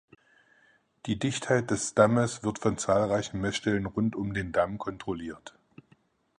Die Dichtheit des Dammes wird von zahlreichen Messstellen rund um den Damm kontrolliert.